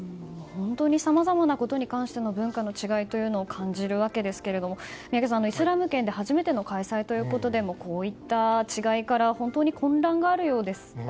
本当にさまざまなことに関しての文化の違いを感じるわけですが、宮家さんイスラム圏で初めての開催ということでこういった違いから本当に混乱があるようですね。